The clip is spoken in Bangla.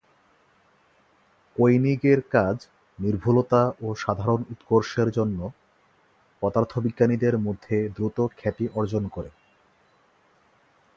কোইনিগের কাজ নির্ভুলতা ও সাধারণ উৎকর্ষের জন্য পদার্থবিজ্ঞানীদের মধ্যে দ্রুত খ্যাতি অর্জন করে।